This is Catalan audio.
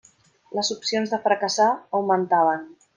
Les opcions de fracassar augmentaven.